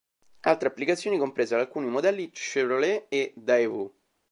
Altre applicazioni compresero alcuni modelli Chevrolet e Daewoo.